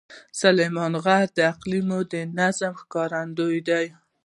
سلیمان غر د اقلیمي نظام ښکارندوی دی.